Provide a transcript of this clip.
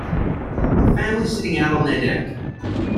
A family sitting out on there deck.